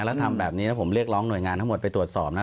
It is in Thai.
แล้วทำแบบนี้แล้วผมเรียกร้องหน่วยงานทั้งหมดไปตรวจสอบนะ